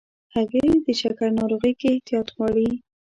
هګۍ د شکر ناروغۍ کې احتیاط غواړي.